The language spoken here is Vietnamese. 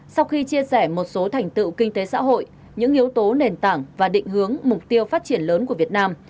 sau khi chia sẻ một số thành tựu kinh tế xã hội những yếu tố nền tảng và định hướng mục tiêu phát triển lớn của việt nam